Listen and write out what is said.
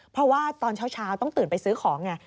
เพราะว่าตอนเช้าต้องตื่นไปซื้อของไง